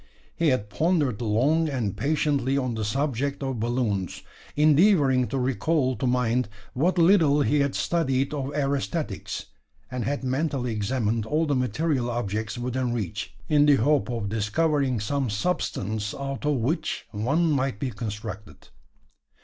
He had pondered long and patiently on the subject of balloons endeavouring to recall to mind what little he had studied of aerostatics and had mentally examined all the material objects within reach, in the hope of discovering some substance out of which one might be constructed.